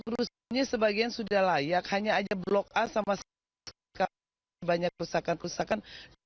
rusunnya sebagian sudah layak hanya ada blok a sama sekali banyak rusakan rusakan